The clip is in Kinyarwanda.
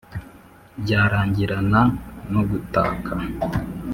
byarangirana no gutaka.